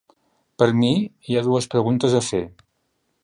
Per mi, hi ha dues preguntes a fer.